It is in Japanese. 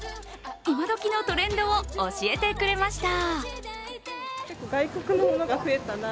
今どきのトレンドを教えてくれました。